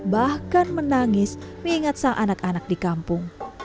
bahkan menangis mengingat sang anak anak di kampung